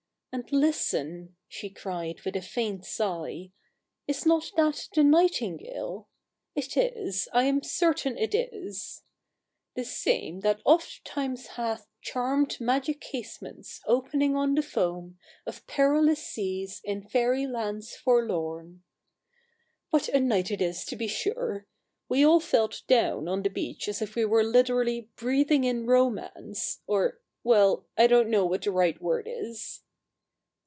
And listen,' she cried with a faint sigh, ' is not that the nightingale ? It is — I am certain it is !— The same that oft times hath Charmed magic casements opening on the foam Of perilous seas in faery lands forlorn.' What a night it is, to be sure ! We all felt down on the beach as if we were literally breathing in Romance — or — well, I don't know what the right word is.'